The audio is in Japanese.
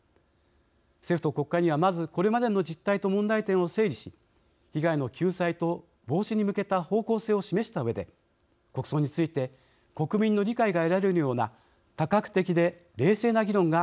政府と国会には、まずこれまでの実態と問題点を整理し被害の救済と防止に向けた方向性を示したうえで国葬について国民の理解が得られるような多角的で冷静な議論が